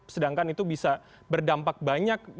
sedangkan itu bisa berdampak banyak